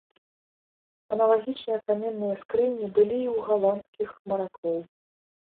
Аналагічныя каменныя скрыні былі і ў галандскіх маракоў.